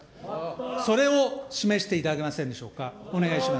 それを示していただけませんでしょうか。